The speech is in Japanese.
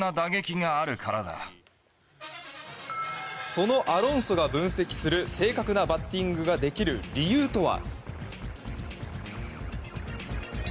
そのアロンソが分析する正確なバッティングができる理由とは。